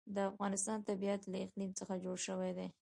د افغانستان طبیعت له اقلیم څخه جوړ شوی دی.